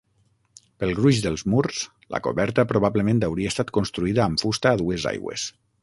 Pel gruix dels murs, la coberta probablement hauria estat construïda amb fusta a dues aigües.